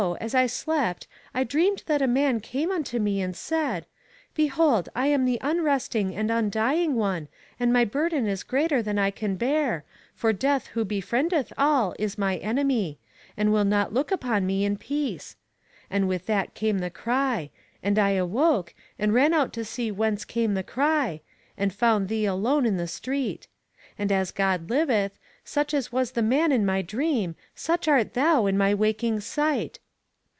as I slept I dreamed that a man came unto me and said, Behold, I am the unresting and undying one, and my burden is greater than I can bear, for Death who befriendeth all is my enemy, and will not look upon me in peace. And with that came the cry, and I awoke, and ran out to see whence came the cry, and found thee alone in the street. And as God liveth, such as was the man in my dream, such art thou in my waking sight.